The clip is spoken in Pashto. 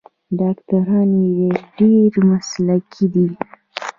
ډاکټران یې ډیر مسلکي دي.